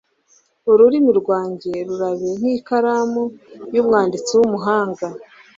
ururimi rwanjye rurabe nk’ikaramu y’umwanditsi w’umuhanga